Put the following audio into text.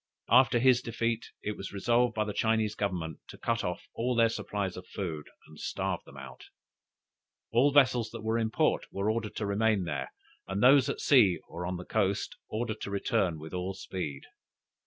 After his defeat, it was resolved by the Chinese Government to cut off all their supplies of food, and starve them out. All vessels that were in port were ordered to remain there, and those at sea, or on the coast ordered to return with all speed.